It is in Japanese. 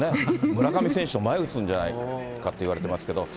村上選手の前を打つんじゃないかといわれてますけど。